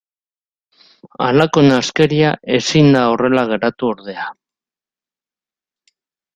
Halako narraskeria ezin da horrela geratu ordea.